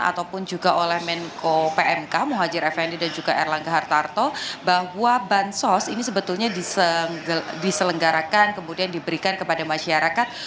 ataupun juga oleh menko pmk muhajir effendi dan juga erlangga hartarto bahwa bansos ini sebetulnya diselenggarakan kemudian diberikan kepada masyarakat